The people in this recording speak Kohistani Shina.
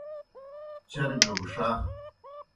چربِیو گہ ݜہ۔